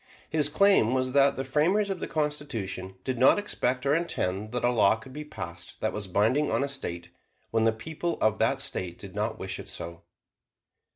His claim was that the framers of the Constitution did not expect or intend that a law could be passed that was binding on a State when the people of that State did not wish it so.